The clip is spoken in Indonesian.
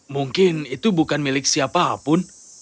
mungkin itu bukan milik siapapun